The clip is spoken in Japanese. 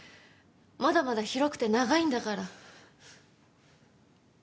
まだまだ広くて長いんだから。